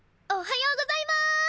おはようございます！